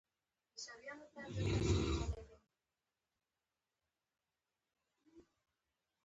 دا اقتصادي ناورین او پاشلتیا ته ورته عمل و